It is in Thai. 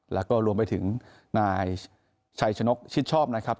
แล้วก็รวมไปถึงนายชัยชนกชิดชอบนะครับ